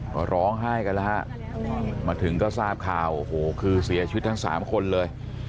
ก็ร้องไห้กันแล้วฮะมาถึงก็ทราบข่าวโอ้โหคือเสียชีวิตทั้งสามคนเลย